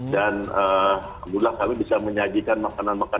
dan alhamdulillah kami bisa menyajikan makanan makanan